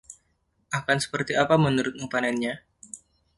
Akan seperti apa menurutmu panennya?